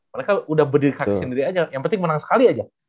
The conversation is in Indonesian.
mereka udah berdiri kaki sendiri aja yang penting menang sekali aja